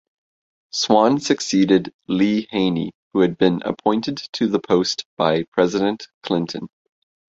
Swann succeeded Lee Haney, who had been appointed to the post by President Clinton.